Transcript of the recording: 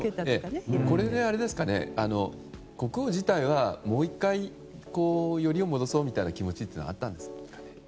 これで国王自体はもう１回、よりを戻そうみたいな気持ちはあったんですかね？